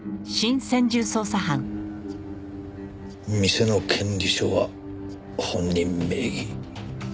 店の権利書は本人名義。